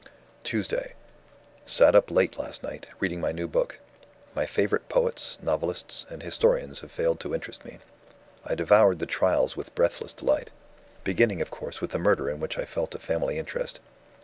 "Tuesday Sat up late last night, reading my new book. My favorite poets, novelists, and historians have failed to interest me. I devoured the Trials with breathless delight; beginning of course with the murder in which I felt a family interest.